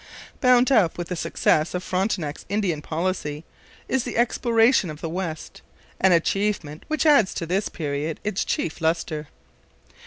Bound up with the success of Frontenac's Indian policy is the exploration of the West an achievement which adds to this period its chief lustre.